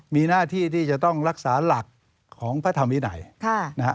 มีหน้าที่ที่จะต้องรักษาหลักของพระธรรมวินัยนะฮะ